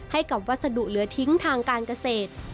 ให้กับวัสดุเหลือทิ้งทางการเกษตร